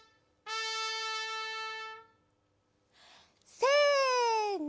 せの！